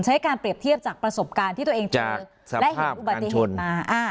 ใช้การเปรียบเทียบจากประสบการณ์ที่ตัวเองเจอและเห็นอุบัติเหตุมา